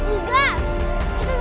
enggak itu semua fitnah